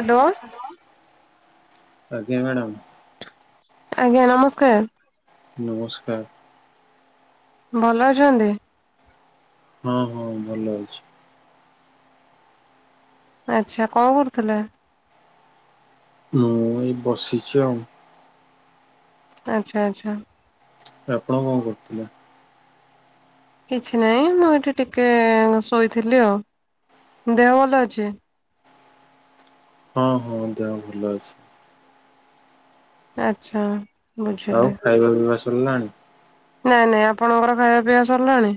Hello. ଆଜ୍ଞା madam. ଆଜ୍ଞା ନମସ୍କାର। ନମସ୍କାର। ଭଲ ଅଛନ୍ତି? ହଁ ହଁ ଭଲ ଅଛି। ଆଛା କଣ କରୁଥିଲେ? ମୁଁ ଏଇ ବସିଚି ଆଉ। ଆଚ୍ଛା ଆଚ୍ଛା। ଆପଣ କଣ କରୁଥିଲେ? କିଛି ନାହିଁ ମୁଁ ଏଠି ଟିକେ ଶୋଇଥିଲି ଆଉ। ଦେହ ଭଲ ଅଛି? ହଁ ହଁ ଦେହ ଭଲ ଅଛି। ଆଛା। ଆଉ ଖାଇବା ପିଇବା ସରିଲାଣି? ନାଇଁ ନାଇଁ ଆପଣଙ୍କର ଖାଇବା ପିଇବା ସରିଲାଣି?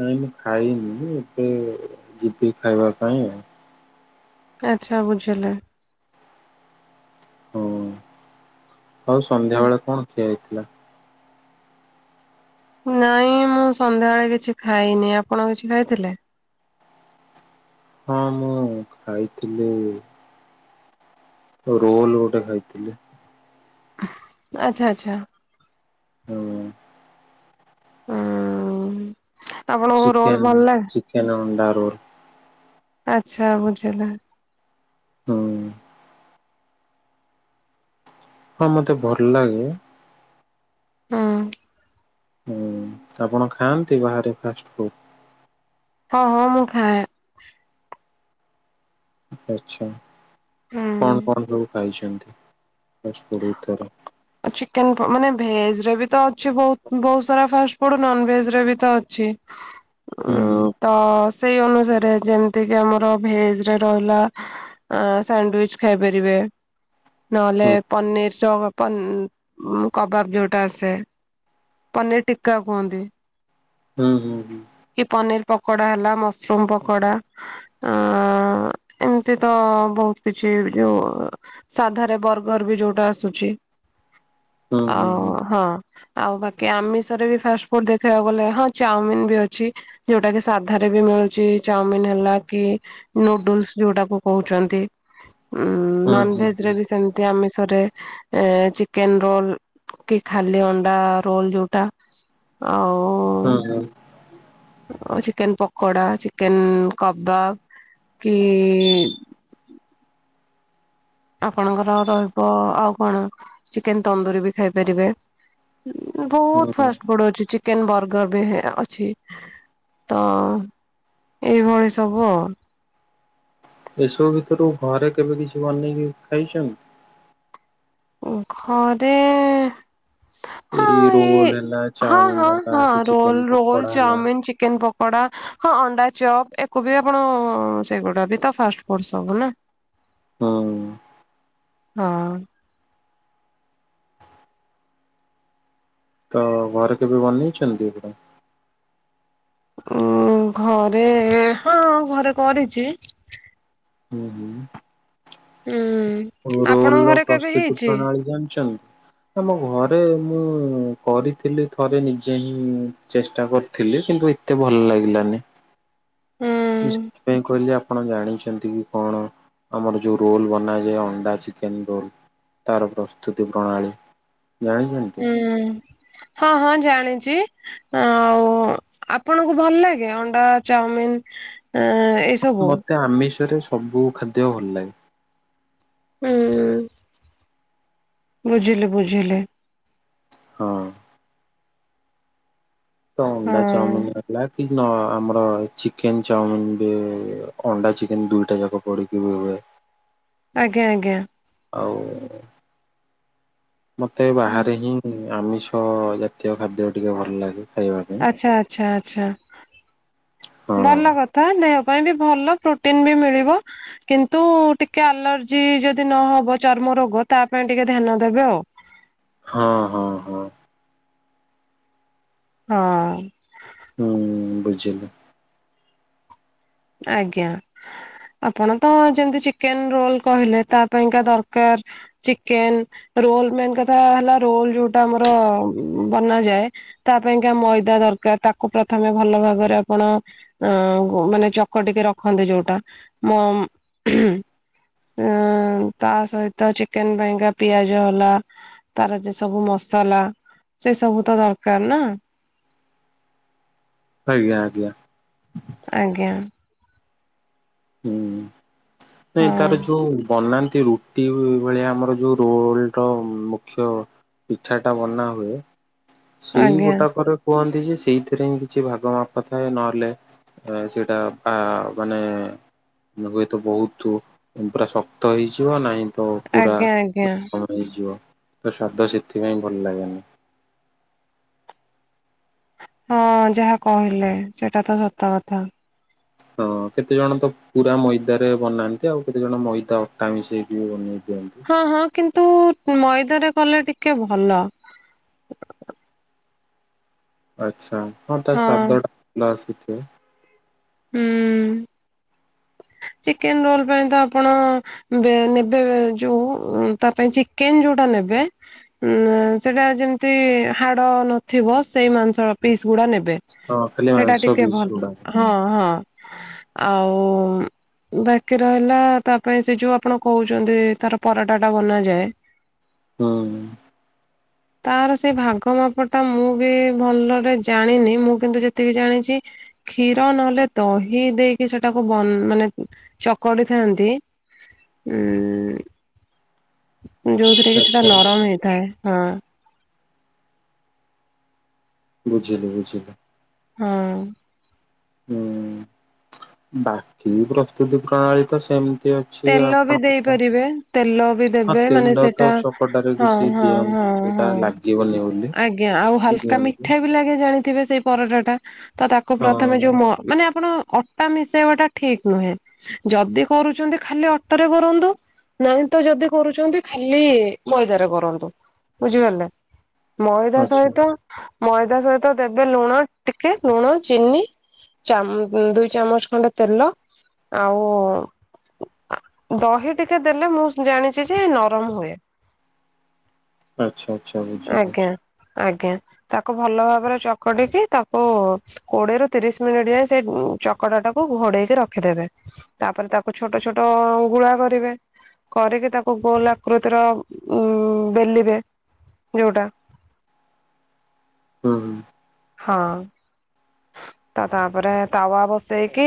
ନାଇଁ ମୁଁ ଖାଇନି ଯେ ଏବେ ଯିବି ଖାଇବା ପାଇଁ ଆଉ। ଆଛା ବୁଝିଲି। ହଁ ଆଉ ସନ୍ଧ୍ୟା ବେଳେ କଣ ଖିଆ ହେଇଥିଲା? ନାଇଁ ମୁଁ ସନ୍ଧ୍ୟାବେଳେ କିଛି ଖାଇନି ଆପଣ କିଛି ଖାଇଥିଲେ? ହଁ ମୁଁ ଖାଇଥିଲି ରୋଲ ଗୋଟେ ଖାଇଥିଲି। ଆଚ୍ଛା ଆଚ୍ଛା। ହଁ। ହୁଁ। ଚିକେନ୍ ଚିକେନ୍ ଅଣ୍ଡା ରୋଲ। ଆଚ୍ଛା ବୁଝିଲି। ହୁଁ। ହଁ ମତେ ଭଲ ଲାଗେ। ହୁଁ। ହୁଁ ଆପଣ ଖାଆନ୍ତି ବାହାରେ ଫାଷ୍ଟଫୁଡ? ହଁ ମୁଁ ଖାଏ। ଆଛା ହୁଁ। କଣ କଣ ସବୁ ଖାଇଛନ୍ତି? ଫାଷ୍ଟଫୁଡ [unintelligible] ଅ ଚିକେନ ମାନେ ଭେଜ ରେ ବି ତ ଅଛି ବହୁ ବହୁତ ସାରା ଫାଷ୍ଟଫୁଡ ନନଭେଜ ରେ ବି ତ ଅଛି। [inaudible] ହୁଁ ହୁଁ। ଉଁ ତ ସେଇ ଅନୁସାରେ ଯେମିତି କି ଆମର ଭେଜରେ ରହିଲା ଆ ସ୍ୟାଣ୍ଡୱିଚ ଖାଇପାରିବେ। ନହେଲେ ପନିର ର ପନ୍ ଉଁ ଉ କବାବ ଯୋଉଟା ଆସେ ପନିର ଟିକା କୁହନ୍ତି। ହୁଁ ହୁଁ ହୁଁ। କି ପନିର ପକୋଡା ହେଲା ମସରୁମ ପକୋଡା ଆ--ଏମିତି ତ ବହୁତ କିଛି ଏ ଯୁ ସାଧାରେ ବର୍ଗର ବି ଯୋଉଟା ଆସୁଛି। ଆଉ ହଁ। ଆଉ ବାକି ଆମିଷରେ ବି ଫାଷ୍ଟଫୁଡ ଦେଖେଇବାକୁ ଗଲେ ହଁ ଚାଉମିନ ବି ଅଛି ଯୋଉଟା କି ସାଧାରେ ବି ମି ହଉଛି ଚାଉମିନ ହେଲା କି ନୁଡୁଲସ୍ ଯୋଉଟାକୁ କହୁଛନ୍ତି। ଉମ୍- ହୁ ନନଭେଜ ରେ ବି ସେମିତି ଆମିଷରେ। ଏ ଚିକେନ ରୋଲ କି ଖାଲି ଅଣ୍ଡା ରୋଲ ଯୋଉଟା। ଆଉ ହୁଁ ହୁଁ। ଉ ଚିକେନ ପକୋଡା ଚିକେନ କବାବ କି ଆପଣଙ୍କର ରହିବ ଆଉ କଣ ଚିକେନ ତନ୍ଦୁରୀ ବି ଖାଇପାରିବେ। ଉଁ ବହୁତ ହଁ ଫାଷ୍ଟଫୁଡ୍ ଅଛି ଚିକ ଚିକେନ ବର୍ଗର ବି ଅଛି ତ ଏଇଭଳି ସବୁ ଆଉ। ଏସବୁ ଭିତରୁ ଘରେ କେବେ କିଛି ବନେଇକି ଖାଇଛନ୍ତି। ଘରେ ହଁ ଏଇ ଏ ରୋଲ ହେଲା ହଁ ଚାଉମିନ ହଁ ହେଲା କି ହଁ। ରୋଲ ଚିକେନ ରୋଲ, ପକୋଡା ହେଲା ଚାଉମିନ, ଚିକେନ ପକ ପକଡା ହଁ, ଅଣ୍ଡା ଚପ୍ ଏକୁ ବି ଆପଣ ସେଗୁଡା ବି ତ ଫାଷ୍ଟଫୁଡ ସବୁ ନା। ହୁଁ। ହଁ। ତ ଘର କେବେ ବନେଇଛନ୍ତି ଏଗୁଡା? ଉଁ ଘରେ ହଁ ଘରେ କରିଛି। ଉଁ ହୁଁ। ହୁଁ ରୋଲ ଆପଣଙ୍କ ର ଘରେ କେବେ ପ୍ରସ୍ତୁତି ହେଇଛି ପ୍ରଣାଳୀ ଜାଣିଛନ୍ତି? ଆମ ଘରେ ମୁଁ କରିଥିଲି ଥରେ ନିଜେ ହିଁ ଚେଷ୍ଟା କରିଥିଲି। କିନ୍ତୁ ଏତେ ଭଲ ଲାଗିଲାନି। ହୁଁ ମୁଁ ସେଥିପାଇଁ କହିଲି ଆପଣ ଜାଣିଛ ଚନ୍ତି କି କଣ? ଆମର ଯୋଉ ରୋଲ ବନାଯାଏ ଅଣ୍ଡା ଚିକେନ ରୋଲ। ତାର ପ୍ରସ୍ତୁତି ପ୍ରଣାଳୀ। ଜାଣିଛନ୍ତି? ହୁଁ ହଁ ହଁ ଜାଣି ଚି ଆଉ ଆପଣ ଙ୍କୁ ଭଲ ଲାଗେ ଅଣ୍ଡା ଚାଉମିନ୍ ଏ ମୋତେ ଆମିଷରେ ସବୁ ଖାଦ୍ୟ ଭଲ ଲାଗେ। ହୁଁ, ବୁଝିଲି ବୁଝିଲି। ହଁ। ହଁ ଅଣ୍ଡା ଚାଉମିନ ହେଲା କି ଆମର ଚିକେନ ଚାଉମିିନ ରେ ଅଣ୍ଡା ଚିକେନ ଦୁଇଟା ଯାକ ପଡିକି ବି ହୁଏ। ଆଜ୍ଞା ଆଜ୍ଞା। ଆଉ ମତେ ହୁଁ। ବାହାରେ ହିଁ ଆମି ମାଛ ଜାତୀୟ ଖାଦ୍ୟ ଟିକେ ଭଲ ଲାଗେ। ଖାଇବା ପାଇଁ। ଆଚ୍ଛା ଆଚ୍ଛା ଆଛା। ହଁ ଭଲ କଥା। ଦେ କହିବି ଭଲ ପ୍ରୋଟିନ ବି ମିଳିବ। କିନ୍ତୁ ଟିକେ ଆଲର୍ଜି ଯଦି ନହବ ଚର୍ମ ରୋଗ ତା ପାଇଁ ଟିକେ ଧ୍ୟାନ ଦେବେ ଆଉ। ହଁ ହଁ ହଁ। ହଁ। ହୁଁ, ବୁଝିଲି। ଆଜ୍ଞା। ଆପଣ ତ ଯେମିତି ଚିକେନ ରୋଲ କହିଲେ ତା ପାଇଁକା ଦରକାର ଚିକେନ ରୋଲ ମେନ୍ କଥା ହେଲା ରୋଲ ଯୋଉଟା ଆମର ବନାଯାଏ ତା ପାଇଁ କା ମଇଦା ଦ ଦରକାର ତାକୁ ପ୍ରଥମେ ଭଲଭାବରେ ଆପଣ ଅ ମନେ ଚକ୍ ଟିକେ ରଖନ୍ତି ଯୋଉଟା। ମ ତା ସହିତ ଚିକେନ ପାଇଁ ଙ୍କା ପିଆଜ ହେଲା, ତାର ସବୁ ମସ ମସଲା ସେ ସବୁ ତ ଦରକାର ନା। ଆଜ୍ଞା ଆଜ୍ଞା। ଆଜ୍ଞା। ହୁଁ। ନାଇଁ ହଁ ତାର ଯୋଉ ବନା ରୁଟି ଭଳିଆ ଆମର ଯୋଉ ରୋଲ ର ମୁଖ୍ୟ ପିଠା ଟା ବନା ହୁଏ ସେଇ ଆଜ୍ଞା ଗୋଟାକରେ କୁହ ଯେ ସେଇଥିରେ ହିଁ କିଛି ଭାଗ ମାପଥାଏ। ନହେଲେ ଅ ସେଇଟା ଫା ମାନେ [unintelligible] ବହୁତ ପୁରା ଶକ୍ତ ହେଇଯିବ। ନାହିଁ ତ ପୁରା ଆଜ୍ଞା ଆଜ୍ଞା [unintelligible] ହେଇଯିବ। ତ ସ୍ଵାଦ ସେଥିପାଇଁ ଭଲ ଲାଗେନି। ହଁ ଯାହା କହିଲେ ସେଇଟା ତ ସତ କଥା। ହଁ କେତେ ଜଣ ତ ପୁରା ମଇଦାରେ ବନାନ୍ତି। ଆଉ କେତେ ଜଣ ମଇଦା ଅଟା ମିଶେଇକି ବି ବନେଇ ଦିଅନ୍ତି। ହଁ ହଁ। କିନ ନ୍ତୁ ମଇଦାରେ କଲେ ଟିକେ ଭଲ। ଆଛା ହଁ ତା ସ୍ୱାଦଟା ନଆସିଥିବ। ହୁଁ। ଚିକେନ୍ ରୋଲ୍ ପାଇଁ ତ ଆପଣ ନେବେ। ଯୋଉ ତା ପାଇଁ ଚିକେନ୍ ଯୋଉ ଟା ନେବେ। ଉ ସେଟା ଯେମିତି ହାଡ ନଥିବ। ସେଇ ମାଂସ ପିସ୍ ଗୁଡା ନେବେ। ହଁ ଖାଲି ବେ ସେଇଟା ମାଂସ ଟିକେ ପିସ୍ ଭଲ ଗୁଡା। ହଁ ହଁ। ଆଉ ବାକି ରହିଲା ତା ପାଇଁ ସେ ଯୋଉ ଆପଣ କହୁଛନ୍ତି। ତାର ପରଟା ଟା ବନାଯାଏ। ହୁଁ ହୁଁ। [inaudible] ତାର ସେ ଭାଗ ମାପ ଟା ମୁଁ ବି ଭଲରେ ଜାଣିନି। ମୁଁ କିନ୍ତୁ ଯେତିକି ଜାଣିଛି। କ୍ଷୀର ନହଲେ ଦହି ଦେଇକି ସେଟାକୁ ବନ୍ ମାନେ ଚକଡି ଥାନ୍ତି। ଉଁ ଯୋଉ ଟେ ସେଟା ଆଚ୍ଛା ନରମ ହେଇଥାଏ। ହଁ। ବୁଝିଲି ବୁଝିଲୁ। ହଁ। ହୁଁ ବାକି ପ୍ରସ୍ତୁତି ପ୍ରଣାଳୀ ତ ସେମ ଅଛି ତେଲ ବି ଆପଣ ଦେଇପାରିବେ ତେଲ ବି ଦେବେ ମାନେ ତେଲ ତ ସେଟା ଚକଟାରେ ହଁ କିଛି ହଁ ଦିଅ ହଁ ସେଇଟା ହଁ ଲାଗିବନି। ବୋଲି। ଆଜ୍ଞା ଆଉ ହାଲ୍କା ଦିଅନ୍ତି ମିଠା ବି ଲାଗେ ଜାଣିଥିବେ ସେଇ ପରଟା ଟା। ତ ତାକୁ ପ୍ରଥମେ ହଁ ଯୋଉ ମ ମାନେ ଆପଣ ଅଟା ମିଶେଇବା ଟା ଠିକ୍ ନୁହେଁ। ଯଦି କରୁଛନ୍ତି ଖାଲି ଅଟାରେ କରନ୍ତୁ। ନାହିଁ ତ ଯଦି କରୁଛନ୍ତି ଖାଲି ମଇଦାରେ କରନ୍ତୁ। ବୁଝିପାରିଲେ। ମଇଦା ଆଚ୍ଛା ସହିତ ମଇଦା ସହିତ ଦେବେ ଲୁଣ ଟିକେ ଲୁଣ ଚିନି। ଚ୍ୟାମ୍ ଦୁଇ ଚାମଚ ଖଣ୍ଡେ ତେଲ। ଆଉ ଦହି ଟିକେ ଦେଲେ ମୁଁ ଜାଣିଛି ଯେ ନରମ ହୁଏ। ଆଚ୍ଛା ଆଚ୍ଛା ବୁଝିଲି। ଆଜ୍ଞା ଆଜ୍ଞା ତାକୁ ଭଲ ଭାବରେ ଚକଡିକି ତାକୁ କୋଡିଏରୁୁ ତିରିଶ୍ ମିନିଟ୍ ଯାଏ ସେ ଚକଡା ଟାକୁ ଘୋଡେଇକି ରଖିଦେବେ। ତାପରେ ତାକୁ ଛୋଟ ଛୋଟ ଗୁଳା କରିବେ। କରିକି ତାକୁ ଗୋଲ ଆକୃତିର ଉ ବେଲିବେ। ଯୋଉଟା। ହୁଁ ହୁଁ। ହଁ। ତ ତାପରେ ତାୱା ବସେଇକି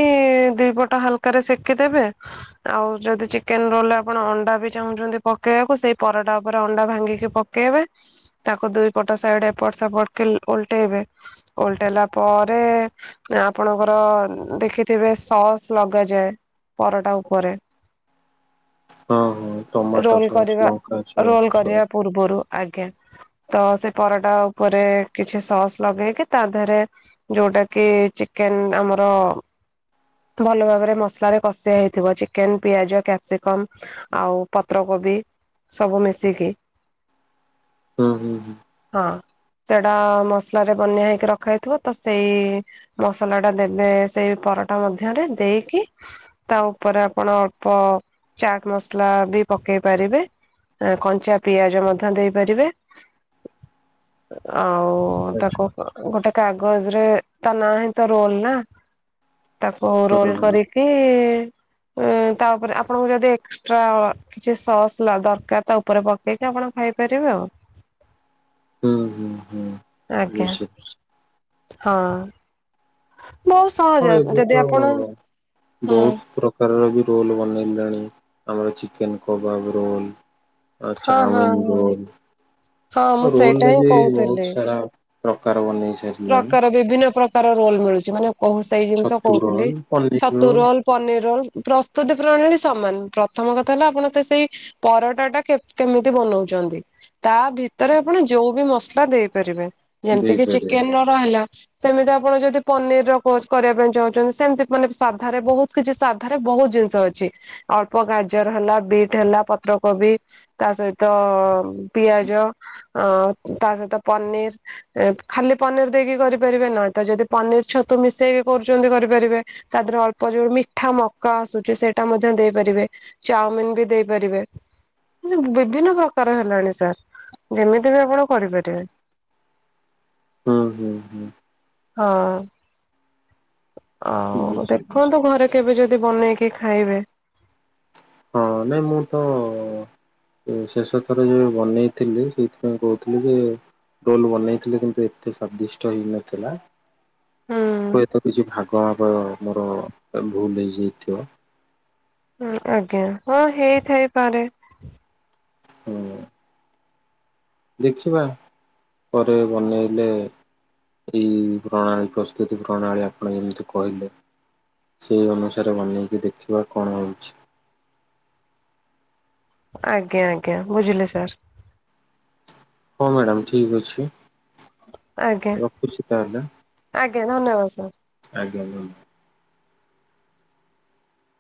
ଦି ପଟ ହାଲକାରେ ସେକିଦେବେ। ଆଉ ଯଦି ଚିକେନ୍ ରୋଲରେ ଆପଣ ଅଣ୍ଡା ବି ଚାହୁଁଛନ୍ତି ପକେଇବାକୁ। ସେଇ ପରଟା ଉପରେ ଅଣ୍ଡା ଭାଙ୍ଗିକି ପକେଇବେ। ତାକୁ ଦୁଇ ପଟ ସାଇଡ୍ ଏପଟ ସେପଟକ ଓଲଟେଇବେ। ଓଲଟେଇଲା ପରେ ଆପଣଙ୍କର ଦେଖିଥିବେ ସସ୍ ଲଗାଯାଏ। ପରଟା ଉପରେ। ହଁ ହଁ ଟମାଟୋ ରୋଲ୍ ସସ୍ କରିବା। ଲଙ୍କା ସସ୍ ରୋଲ୍ କରିବା ସସ୍ ପୂର୍ବରୁ। ଆଜ୍ଞା ତ ସେ ପରଟା ଉପରେ କିଛି ସସ୍ ଲଗେଇକି ତା ଦେହରେ ଯୋଉଟା କି ଚିକେନ୍ ଆମର ଭଲ ଭାବରେ ମସଲାରେ କଷିଆ ହେଇଥିବ। ଚିକେନ୍ ପିଆଜ କ୍ୟାପ୍ସିକମ ଆଉ ପତ୍ର କୋବି ସବୁ ମିଶିକି। ହୁଁ ହୁଁ ହୁଁ। ହଁ ସେଟା ମସଲାରେ ବନ୍ୟା ହେଇକି ରଖା ହେଇଥିବ। ତ ସେଇ ମସଲା ଟା ଦେବେ ସେଇ ପରଟା ମଧ୍ୟରେ। ଦେଇକି ତା ଉ ଉପରେ ଆପଣ ଅଳ୍ପ ଚାଟ୍ ମସଲା ବି ପକେଇ ପାରିବେ। କଞ୍ଚା ପିଆଜ ମଧ୍ୟ ଦେଇପାରିବେ। ଆଉ ଓ ତାକୁ ଆଚ୍ଛା ଗୋଟେ କାଗଜ୍ ରେ ତା ନାଁ ହିଁ ତ ରୋଲ ନା। ତାକୁ ହଁ ରୋଲ ହଁ କରିକି ଉ ତାପରେ ଆପଣଙ୍କୁ ଯଦି ଏକ୍ସଟ୍ରା କିଛି ସସ୍ ଦରକାର। ତା ଉପରେ ପକେଇକି ଆପଣ ଖାଇପାରିବେ ଆଉ, ହୁଁ ହୁଁ ହୁଁ। ଆଜ୍ଞା। ବୁଝିଲି ହଁ। ବହୁତ ହଁ, ସହଜ ଏବେ ଯଦି ତ ଆପଣ ହଁ ବହୁତ ପ୍ରକାରର ବି ରୋଲ ବନେଇଲେଣି। ଆମର ଚିକେନ କବାବ ରୋଲ ଆଉ ହଁ ହଁ ଚାଉମିନ ହଁ ରୋଲ, ହଁ ଆଉ ମୁଁ ସେଇଟା ରୋଲ ହିଁ ବି ବହୁତ କହୁଥିଲି। ସାରା ପ୍ରକାର ବନେଇ ସାରିଲାଣି ପ୍ରକାର ବିଭିନ୍ନ ପ୍ରକାର ରୋଲ ମିଳୁଛି ମାନେ କହୁ ସେଇ ଜିନିଷ ଛତୁ କହୁଥିଲି। ରୋଲ ପନିର ଛତୁ ରୋଲ, ପନିର ରୋଲ ପ୍ରସ୍ତୁତି ପ୍ରଣାଳୀ ସମାନ ପ୍ରଥମ କଥା ହେଲା ଆପଣ ତ ସେଇ ପରଟା ଟା କେ କେମିତି ବନଉଛ ଛନ୍ତି? ତା ଭିତରେ ଆପଣ ଯୋଉ ବି ମସଲା ଦେଇପାରିବେ, ଓ ଯେମିତି କିି ଦେଇପାରିବେ ଚିକେନ ର ରହିଲା। ସେମିତି ଆପଣ ଯଦି ପନିର ର କର କରିବା ପାଇଁ ଚାହୁଁଛନ୍ତି ସେମିତି ମାନେ ସାଧାରେ ବହୁତ କିଛି ସାଧାରେ ବହୁତ ଜି ଜିନିଷ ଅଛି, ଅଳ୍ପ ଗାଜର ହେଲା, ବିଟ୍ ହେଲା, ପତ୍ରକୋବି, ତା ସହିତ ପିଆଜ ଅଁ ତା ସହିତ ପନିର ଏଁ ଖାଲି ପନିର ଦେଇକି କରିପାରିବେ ନାହିଁ ତ ଯଦି ପନିର ଛତୁ ମିଶେଇକି କରୁଛନ୍ତି କରିପାରିବେ ତା ଧିରେ ଅଳ୍ପ ଯୋଉ ମିଠା ମକା ଆସୁଛି ସେଇଟା ମଧ୍ୟ ଦେଇ ପାରିବେ ଚାଉମିନ ବି ଦେଇପାରିବେ। ଯୋଉ ବିଭିନ୍ନ ପ୍ରକାର ହେଲାଣି ସାର୍ ଯେମିତି ବି ଆପଣ କରିପାରିବେ। ହୁଁ, ହୁଁ, ହୁଁ। ହଁ, ଆଉ ବୁଝିଲି ଦେଖନ୍ତୁ ଘରେ କେବେ ଯ ଦି ବନେଇକି ଖାଇବେ। ହଁ, ନାଇଁ ମୁଁ ତ ଏ ଶେଷ ଥର ଯୋଉ ବନେଇଥିଲି ସେଇଥିପାଇଁ କହୁଥିଲି ଯେ ରୋଲ୍ ବନେଇଥିଲି କିନ୍ତୁ ଏତେ ସ୍ଵାଦିଷ୍ଟ ହେଇନଥିଲା। ହୁଁ। ହୁଏତ କିଛି ଭାଗ ମାପ ମୋର ଭୁଲ ହେଇଯାଇଥିବ। ହଁ, ଆଜ୍ଞା, ହଁ, ହେଇଥାଇପାରେ। ହୁଁ। ଦେଖିବା ପରେ ବନେଇଲେ। ଏଇ ପ୍ରଣାଳୀ ପ୍ରସ୍ତୁତି ପ୍ରଣାଳୀ ଆପଣ ଯେମିତି କହିଲେ। ସେହି ଅନୁସାରେ ବନେଇକି ଦେଖିବା କ'ଣ ହେଉଛି। ଆଜ୍ଞା, ଆଜ୍ଞା, ବୁଝିଲେ ସାର୍। ହଁ, ମ୍ୟାଡ଼ାମ ଠିକ୍ ଅଛି ଆଜ୍ଞା। ରଖୁଛି ତାହେଲେ। ଆଜ୍ଞା ଧନ୍ୟବାଦ ସାର୍। ଆଜ୍ଞା, ଭଉ